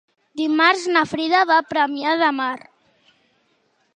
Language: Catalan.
Dimarts na Frida va a Premià de Mar.